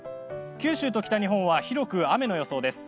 九州と北日本は広く雨の予想です。